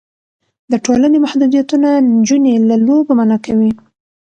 د ټولنې محدودیتونه نجونې له لوبو منع کوي.